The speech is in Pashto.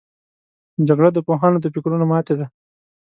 جګړه د پوهانو د فکرونو ماتې ده